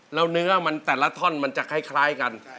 แล้วเนื้อมันแต่ละท่อนมันจะคล้ายกัน